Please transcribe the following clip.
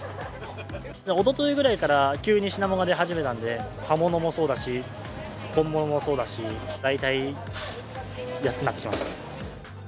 おとといぐらいから急に品物が出始めたんで、葉ものもそうだし、根ものもそうだし、大体安くなってきましたね。